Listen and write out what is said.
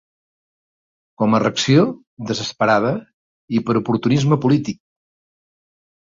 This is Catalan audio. Com a reacció desesperada i per oportunisme polític.